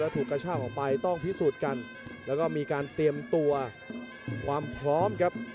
ถูกกระชากออกไปต้องพิสูจน์กันแล้วก็มีการเตรียมตัวความพร้อมครับ